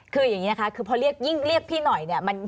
คืออย่างนี้นะคะคือพอเรียกพี่หน่อยเนี่ย